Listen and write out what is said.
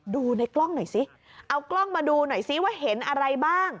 ดูในกล้องหน่อยสิเอากล้องมาดูหน่อยซิว่าเห็นอะไรบ้าง